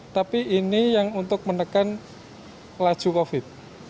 tapi ini yang untuk menekan laju covid